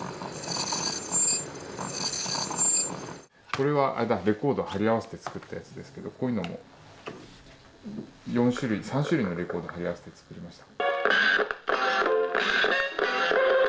これはレコードを貼り合わせて作ったやつですけどこういうのも３種類のレコードを貼り合わせて作りました。